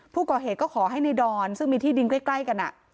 ผู้ก่อเหตุก็ขอให้ในดอนซึ่งมีที่ดินใกล้กัน